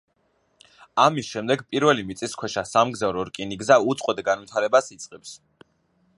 ამის შემდეგ პირველი მიწისქვეშა სამგზავრო რკინიგზა უწყვეტ განვითარებას იწყებს.